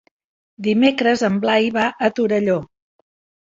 Dimecres en Blai va a Torelló.